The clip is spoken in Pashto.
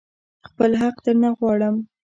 خپل حق درنه غواړم.